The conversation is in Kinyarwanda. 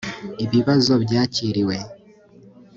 ibibazo byakiriwe